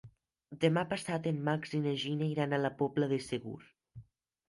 Demà passat en Max i na Gina iran a la Pobla de Segur.